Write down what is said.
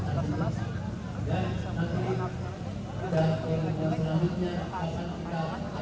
yang diperlukan oleh mereka